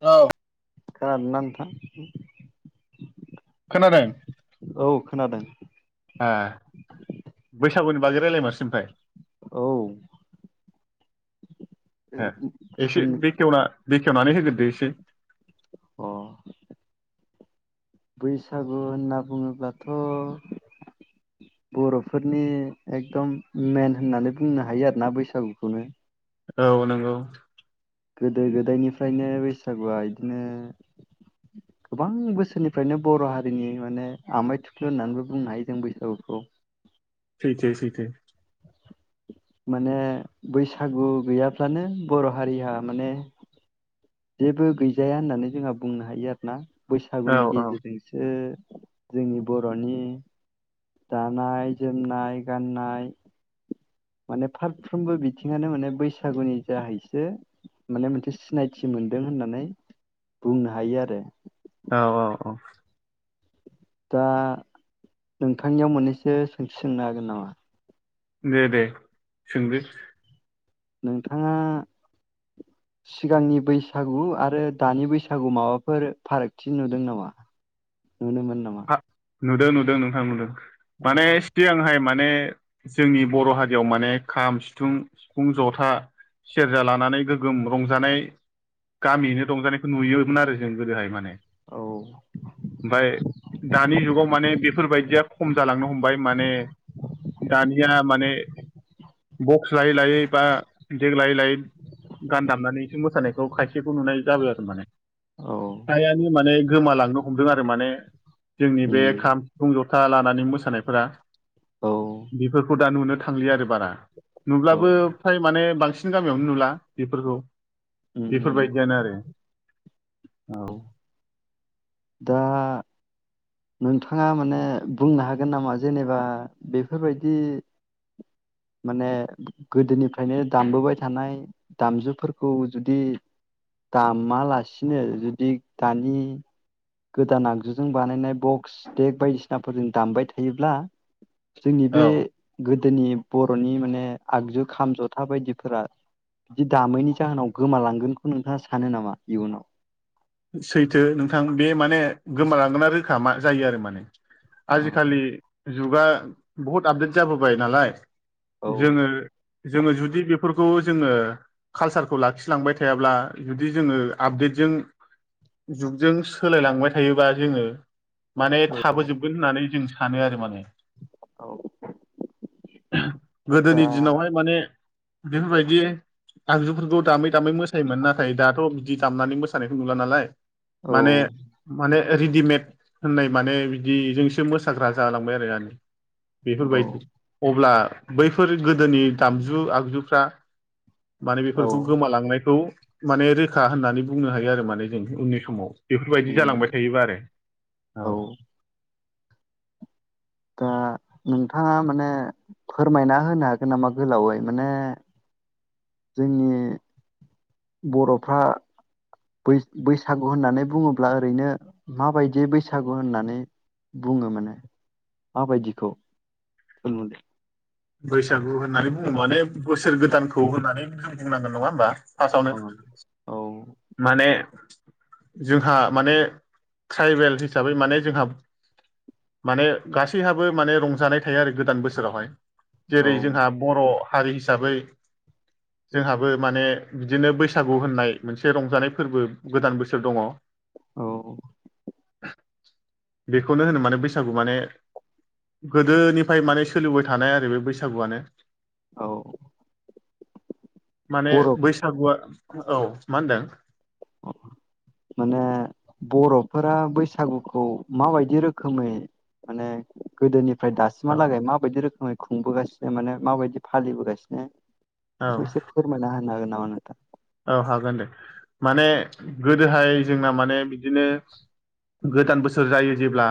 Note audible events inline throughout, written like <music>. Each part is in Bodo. औ खोनादों ना नोंथां खोनादों औ खोनादों ए बैसागुनि बागै राय्लाय मारसैउमफ्राय औ ए एसे सों बेखेवना बेखेवनानै होगोन दे एसे अ बैसागु होनना बुङोब्लाथ बरफोरनि एकदम मेन होननानै बुंनो हायो आरोना बैसागुखौनो औ नंगौ गोदो गोदायनिफ्रायनो बैसागुआ इदिनो गोबां बोसोरनिफ्रायनो बरहारिनि माने आमाइ थुख्लु होननानैबो बुंनो हायो जों बैसागुखौ सैथो सैथो माने बैसागु गैयाब्लानो बर‌हारिया माने जेबो गैजाया होननानै जोंहा बुंनो हायो आरोना औ बैसागुनि औ गेजेरजोंसो जोंनि बरनि दानाय जोमनाय गाननाय माने फारफ्रोमबो बिथिङानो माने बैसागुनि जाहैसो माने मोनसे सिनायथि मोनदों होननानै बुंनो हायो आरो औ औ औ दा नोंथांनियाव मोननैसो सोंथि सोंनो हागोन नामा? दे दे सोंदो नोंथाङा सिगांनि बैसागु आरो दानि बैसागु माबाफोर फारागथि नुदों नामा? नुनो मोन नामा? नुदो नुदों नोंथां नुदों औ माने सिगांहाय मान ने जोंनि बरहारियाव माने खाम सिथुं सिफुं जथा सेरजा लानानै गोगोम रंजानाय गामियैनो रंजानायखो नुयोमोन आरो जों गोदोहाय माने औ ओमफ्राय दानि जुगाव माने बेफोरबायदिया खम जालांनो हमबाय माने दानिया माने बक्स लायै लायै बा देग लायै लायै गान दामनानैसो मोसानायखौ खायसेखौ नुनाय जाबाय आरो माने आयानि माने गोमालांनो हमदों आरो माने जोंनि बे उम खाम सिफुं जथ था लानानै मोसानायफोरा औ बेफोरखौ दा नुनो थांलिया आरो बारा औ नुब्लाबो फाय माने बांसिन जों गामियावनो नुला बेफोरखौ उम उम बेफोरबायदियानो आरो औ दा नोंथाङा माने बुंनो हागोन नामा जेनेबा बेफोरबायदि माने गोदोनिफ्रायनो दामबोबाय थानाय दामजुफोरखौ जुदि दामालासिनो जुदि दानि गोदान आगजुजों बानायनाय बक्स देग बायदिसिनाफोरजों दामबाय थायोब्ला जोंनि बे औ गोद दिनि बर'नि माने आगजु खाम जथा बायदिफोरा बिदि दामैनि जाहोनाव गोमालांगोनखौ नोंथाङा सानो नामा इयुनाव? सैथो नोंथां बे माने गोमालांगोन ना रोखा मा जायो आरो माने। औ आजिखालि जुगा बहुद आपदेट जाबोबाय नालाय। जोङो औ जोङो जुदि बेफोरखौ जोङो कालसारखौ लाखिलांबाय थायाब्ला जुदि जोङो आपदेटजों जुगजों सोलायलांबाय थायोबा जोङो माने थाबोजोबगोन होननानै जों सानो आरो माने औ दा गोदोनि दिनावहाय माने बेफोरबायदि आगजुफोर खौ दामै दामै मोसायोमोन ना थाय दाथ' बिदि दामनानै मोसानाय नुला नालाय औ माने माने रेडिमेड होननाय माने बिदिजोंसो मोसाग्रा जालांबाय आरो <unintelligible> बेफोरबायदि अब्ला बैफोर गोदोनि दामजु आगजुफ्रा माने औ औ बेफोरखौ गोमालांनायखौ माने रोखा होननानै बुंनो हायो आरो माने जों उननि समाव। बेफोरबायदि जालांबाय थायोबा आरो औ। दा नोंथाङा माने फोरमायना होनो हागोन नामा गोलावै माने जोंनि बर'फ्रा बै-बैसागु होननानै बुङोब्ला ओरैनो माबायदियै बैसागु होननानै बुङो माने माबायदिखौ <unintelligible> बैसागु होननानै बुङो माने बोसोर गोदानखौ होननानै जों बुंनांगोन । नङा होमबा? फासावनो। औ औ माने जोंहा माने ट्राइबेल हिसाबै माने जोंहा माने गासैहाबो माने रंजानाय थायो आरो गोदान बोसोरावहाय। औ जेरै जोंहा बर' हारि हिसाबै जोंहाबो माने बिदिनो बैसागु होननाय मो नसे रंजानाय फोरबो गोदान बोसोर दङ। औ। बेखौनो होनो माने बैसागु माने गोदोनिफ्राय माने सोलिबाय थानाय आरो बे बैसागुआनो। औ माने बर' बैसागुआ औ। मा होनदों माने बर'फोरा बैसागुखौ माबायदि रोखोमै माने गोदोनि ओमफ्राय औ दामहालागै माबायदि रोखोम खुंबोगासिनो माने माबायदि फालिबोगासिनो औ बेखौ एसे फोरमायना होनो हागोन नामा नोंथां औ हागोन दे माने गोदोहाय जोंना माने बिदिनो गोदान बोसोर जायो जेब्ला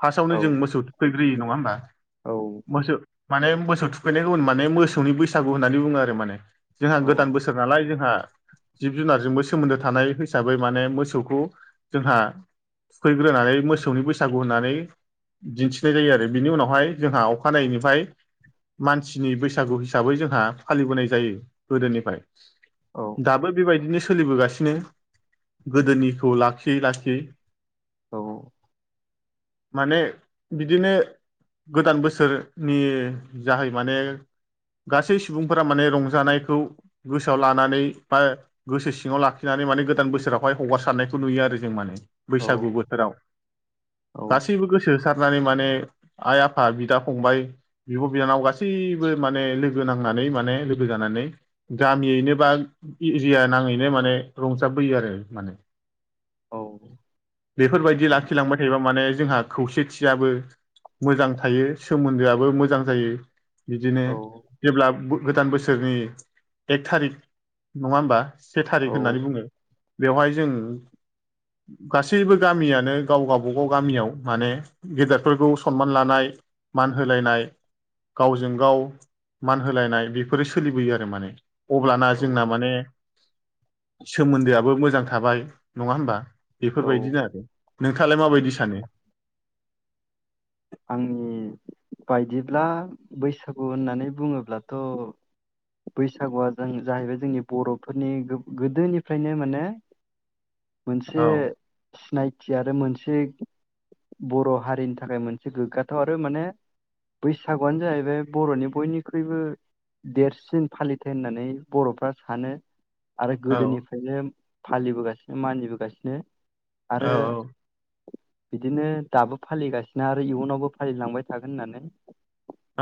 फार्स्टआवनो औ जों मोसौ थुखैग्रोयो नङा होमबा औ मोसौ माने मोसौ थुखैनाय माने मोसौनि बैसागु होननानै बुङो आरो माने जोंहा औ गोदान बोसोर नालाय जोंहा जिब जुनारजोंबो सोमोन्दो थानाय हिसाबै माने मोसौखौ जोंहा थुखैग्रोनानै मोसौनि बैसागु होननानै दिन्थिनाय जायो आरो बिनि उनावहाय जोंहा अखानायैनिफ्राय मानसिनि बैसागु हिसाबै जोंहा फालिबोनाय जायो गोदोनिफाय। औ दाबो बेबायदिनो सोलिबोगासिनो गोदोनिखौ लाखियै लाखियै। औ। माने बिदिनो गोदान बोसोरनि जाहै माने गासै सुबुंफोरा माने रंजानायखौ गोसोआव लानानै बा गोसो सिङाव लाखिनानै माने गोदान बोसोरावहाय हगारसारनायखौ नुयो आरो जों माने। औ बैसागु बोथोराव औ गासैबो गोसो होसारनानै माने आइ आफा बिदा फंबाय बिब' बिनानाव गासैबो माने लोगो नांनानै माने लोगो जानानै गामियैनो बा इजिया नाङैनो माने रंजाबबोयो आरो माने। औ बेफोर बायदि लाखिलांबाय थायोला माने जोंहा खौसेथियाबो मोजां थायो सोमोन्दोआबो मोजां जायो। बिदिनो जेब्ला गोदान बोसोरनि एक थारिक नङा होमबा। से थारिख औ होननानै बुङो। बेवहाय जों गासैबो गामियानो गाव गाबागाव गामियाव माने गेदेरफोरखौ सनमान लानाय मान होलायनाय गावजों गाव मान होलायनाय बेफोरो सोलिबोयो आरो माने अब्लाना जोंना माने सोमोन्दोआबो मोजां थाबाय नङा होमबा। औ बेफोरबायदिनो आरो नोंथाङालाय माबायदि सानो? आंनि बायदिब्ला बैसागु होननानै बुङोब्लाथ' बैसागुआ जों जाहैबाय जोंनि बर'फोरनि गोदोनिफ्रायनो माने मोनसे औ सिनायथि आरो मोनसे बर' हारिनि थाखाय मोनसे से गोग्गाथाव आरो माने बैसागुआनो जाहैबाय बर'नि बयनिख्रुइबो देरसिन फालिथाय होननानै बर'फ्रा सानो आरो औ गोदोनिफ्रायनो फालिबोगासिनो मानिबोगासिनो आरो औ औ बिदिनो दाबो फालिगासिनो आरो इयुनावबो फालिलांबाय थागोन होननानै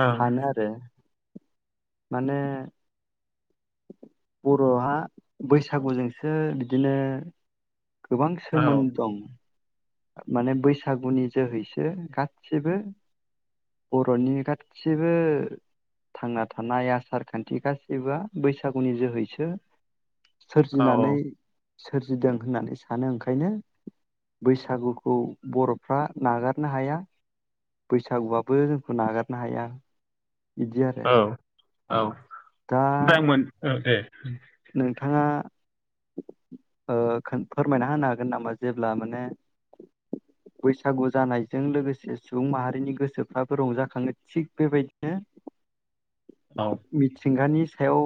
ओं सानो आरो माने बर'हा बैसागुजोंसो बिदिनो गोबां औ सोमोन दं माने बैसागुनि जोहैसो गासिबो बर'नि गासिबो थांना थानाय आसार खान्थि गासिबो बैसागुनि जोहैसो सोरजिनानै सोरजिदों होननानै सानो ओंखायनो बैसाग बैसागुखौ बर'फ्रा नागारनो हाया बैसागुआबो जोंखौ नागारनो हाया। बिदि आरो औ औ दा ओमफ्राय <inaudible> नोंथाङा फोरमायना होनो हागोन नामा जेब्ला माने बैसागु जानायजों लोगोसे सुबुं माहारिनि गोसोफ्राबो रंजाखाङो थिग बेबायदिनो औ मिथिंगानि सायाव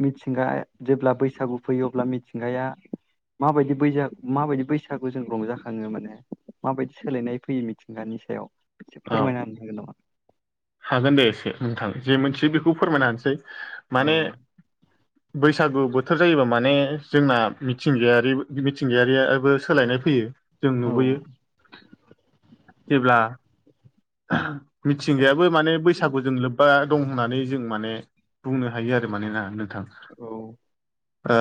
मिथिंगा जेब्ला बैसागु फैयो अब्ला मिथिंगाया माबायदि बैसा माबायदि बैसागु जों रंजाखाङो माने माबायदि सोलायनाय फैयो मिथिंगानि सायाव एसे औ फोरमायना होनो हागोन दे एसे नोंथां जे मोनथियो बेखौ फोरमायना होनोसै। औ माने बैसागु बोथोर जायोबा माने जोंना मिथिंगायारि मिथिंगायारियाबो सोलायनाय फैयो। जों नुबोयो। हागोन नामा जेब्ला। <unintelligible> मिथिंगायाबो माने बैसागुजों लोब्बा। दं होननानै जों माने बुंनो हायो आरो माने ना नों। औ ओ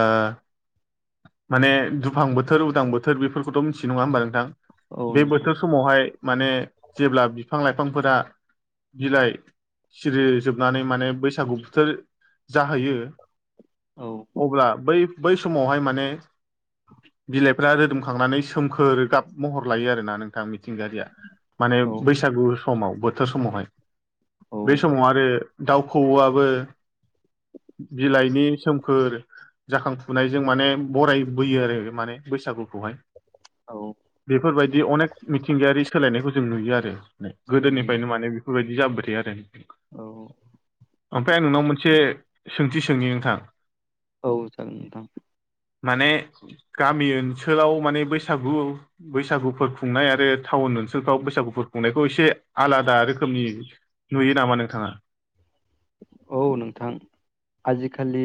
माने दुफां बोथोर उदां बोथोर बेफोरखौथ मिथि नङा होमबा नोंथां। औ बे नोंथां बोथोर समावहाय। माने जेब्ला बिफां लाइफांफोरा बिलाइ सिरिजोबनानै माने बैसागु बोथोर जाहैयो। औ अब्ला बै। बै समावहाय माने बिलाइफ्रा रोदोमखांनानै सोमखोर गाब महर लायो आरोना नोंथां मिथिंगायारिया। माने औ बैसागु समाव बोथ दा समावहाय। औ बे समाव आरो दाउ खौआबो बिलाइनि सोमखोर जाखांफुनायजों माने बरायबोयो आरो माने बैसागुखौहाय। औ बेफोरबायदि अनेक मिथिंगायारि सोलायनायखौ जों नुयो आरो। उम गोदोनिफ्रायनो माने बेफोरबायदि बे जाबबोथाय आरो। औ ओमफ्राय आं नोंनाव मोनसे सों थि सोंनि नोंथां। औ जागोन दे नोंथां। माने गामि ओनसोलाव माने बैसागु बैसागुफोर खुंनाय आरो टाउन ओनसोलफ्राव बैसागुफोर खुंनायखौ एसे आलादा रोखोमनि नुयो नामा नोंथाङा? औ नोंथां। आजिखालि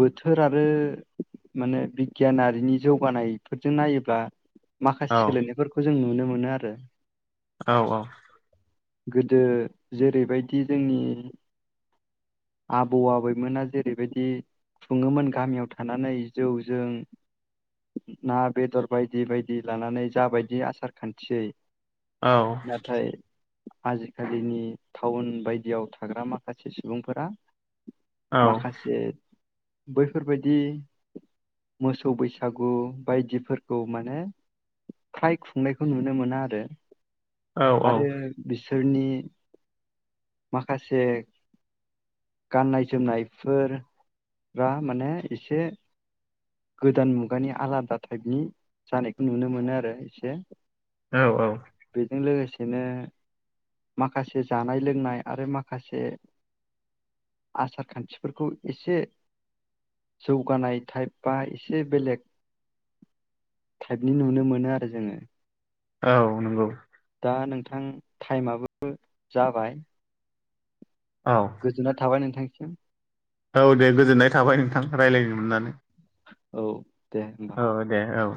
बोथोर आरो माने बिगियानारिनि जौगानायफोरजों नायोब्ला। माखासे सोलायनायफोरखौ जों नुनो मोनो। मोनो आरो औ-औ। गोदो जेरैबायदि जोंनि। आबौ आबैमोना जेरैबायदि खुङोमोन गामियाव थानानै जौ जों ना बेदर बायदि- बायदि लानानै जाबायदि आसार खान्थियै औ नाथाय आजिखालिनि टाउन बायदियाव थाग्रा माखासे सुबुंफोरा औ माखासे बैफोरबायदि मोसौ बैसागु बायदिफोरखौ माने फ्राय खुंनायखौ नुनो मोना आरो। औ आरो बि फोरनि माखा माखासे गाननाय जोमनायफोर बा माने एसे गोदान मुगानि आलादा टाइपनि जानायखौ नुनो मोनो आरो एसे। औ औ बेजों लोगोसे बिदिनो माखासे जानाय लोंनाय आरो माखासे माखासे आसार खान्थिफोरखौ एसे जौगानाय टाइप बा एसे बेलेग टाइपनि नुनो मोनो आरो जोङो। औ नंगौ दा नोंथां टाइमाबोथ जाबाय औ गोजोनाय थाबाय नोंथां <inaudible> <unintelligible> औ दे गोजोननाय थाबाय नोंथां रायज्लायनो मोननानै। औ। दे होमबा औ दे औ‌।